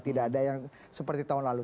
tidak ada yang seperti tahun lalu